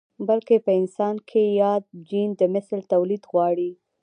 بلکې په انسان کې ياد جېن د مثل توليد غواړي.